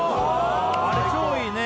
あれ超いいね